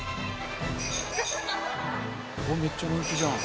めっちゃ人気じゃん。